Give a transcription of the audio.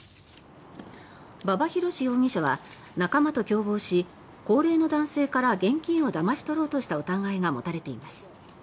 馬場博司容疑者は仲間と共謀し高齢の男性から現金をだまし取ろうとした疑いが持たれています。